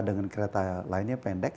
dengan kereta lainnya pendek